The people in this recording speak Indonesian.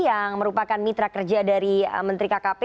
yang merupakan mitra kerja dari menteri kkp